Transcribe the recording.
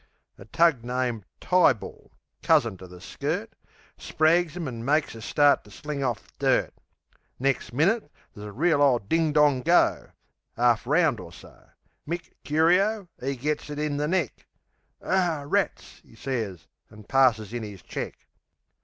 A tug named Tyball (cousin to the skirt) Sprags 'em an' makes a start to sling off dirt. Nex' minnit there's a reel ole ding dong go 'Arf round or so. Mick Curio, 'e gets it in the neck, "Ar rats!" 'e sez, an' passes in 'is check.